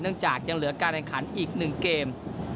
อีกหนึ่งเกม